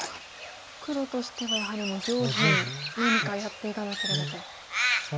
黒としてはやはりもう上辺何かやっていかなければというところ。